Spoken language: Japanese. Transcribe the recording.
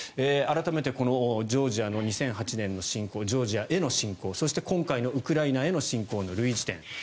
改めて、このジョージアへの２００８年の侵攻ジョージアへの侵攻そして、今回のウクライナへの侵攻の類似点。